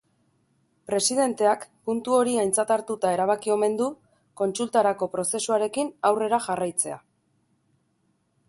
Presidenteak puntu hori aintzat hartuta erabaki omen du kontsultarako prozesuarekin aurrera jarraitzea.